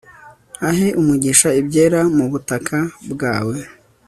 ahe umugisha ibyera mu butaka bwawe